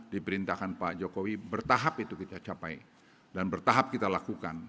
diperintahkan pak jokowi bertahap itu kita capai dan bertahap kita lakukan